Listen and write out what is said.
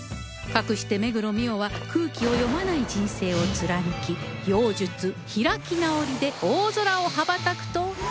かくして目黒澪は空気を読まない人生を貫き妖術ヒラキナオリで大空を羽ばたくと